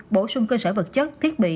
bổ sung cơ sở vật chất thiết bị